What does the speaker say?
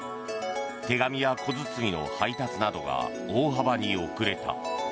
手紙や小包の配達などが大幅に遅れた。